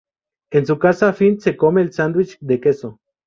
En su casa, Finn se come el sándwich de queso.